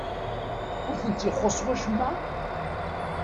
Ur tent-ixuṣṣ wacemma?